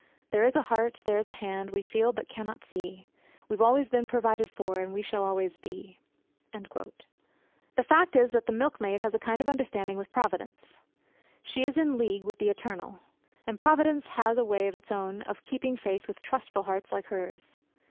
There is a Heart, there is a Hand, we feel but cannot see We've always been provided for, and we shall always be.' The fact is that the milkmaid has a kind of understanding with Providence. She is in league with the Eternal. And Providence has a way of its own of keeping faith with trustful hearts like hers.